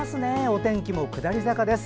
お天気も下り坂です。